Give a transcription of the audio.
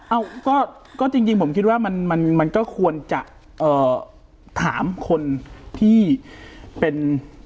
เอ้าก็จริงผมคิดว่ามันมันก็ควรจะเอ่อถามคนที่เป็น